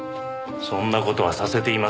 そんな事はさせていません。